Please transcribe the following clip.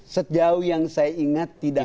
sejauh yang saya ingat tidak